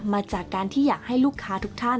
มาจากการที่อยากให้ลูกค้าทุกท่าน